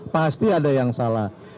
pasti ada yang salah